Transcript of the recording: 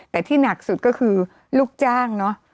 แต่ที่หนักสุดก็คือลูกจ้างเนอะ